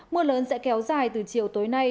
mưa lớn sẽ kéo dài từ chiều tối nay